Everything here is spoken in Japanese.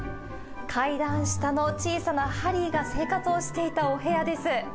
階段下の小さなハリーが生活をしていたお部屋です。